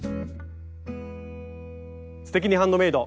「すてきにハンドメイド」。